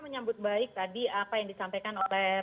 menyambut baik tadi apa yang disampaikan oleh